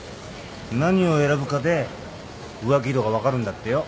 何を選ぶかで浮気度が分かるんだってよ。